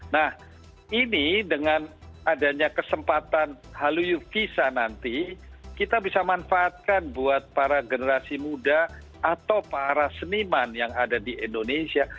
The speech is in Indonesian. nah ini dengan adanya kesempatan haluyuk kisah nanti kita bisa manfaatkan buat para generasi muda atau para seniman yang ada di indonesia